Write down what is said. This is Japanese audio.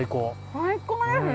最高ですね。